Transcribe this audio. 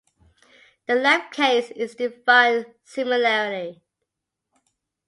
The left case is defined similarly.